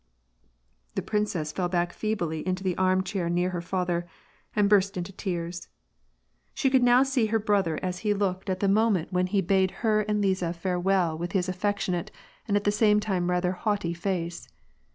The princess fell back feebly in the arm chair near her father, and burst into tears. She could now see her brother as he looked VOL.2.— 3. 34 WAR AND PEACE. Sit the moment when he bade her and Liza farewell, with bis affectionate and at the same time rather haughty face.